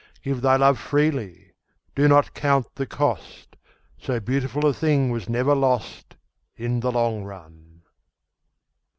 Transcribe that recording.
Give thy love freely; do not count the cost; So beautiful a thing was never lost In the long run.